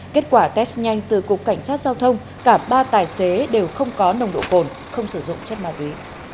kết quả test nhanh từ cục cảnh sát giao thông cả ba tài xế đều không có nồng độ cồn không sử dụng chất ma túy